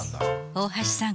大橋さん